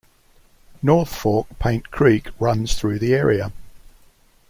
North Fork Paint Creek runs through the area.